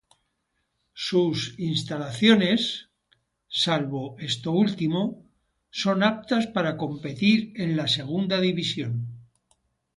Sus instalaciones, salvo esto último, son aptas para competir en la Segunda División.